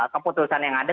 keputusan yang ada